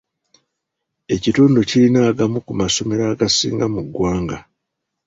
Ekitundu kirina agamu ku masomero agasinga mu ggwanga.